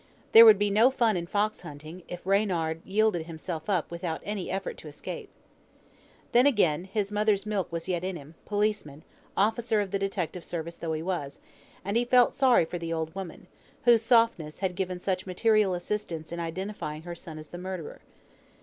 There would be no fun in fox hunting, if Reynard yielded himself up without any effort to escape. Then, again, his mother's milk was yet in him, policeman, officer of the Detective Service though he was; and he felt sorry for the old woman, whose "softness" had given such material assistance in identifying her son as the murderer.